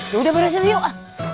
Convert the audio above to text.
yaudah beresin yuk